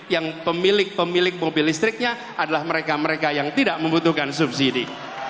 yang pemilik pemilik mobil listriknya adalah mereka mereka yang tidak membutuhkan subsidi